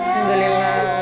tunggu lewat ya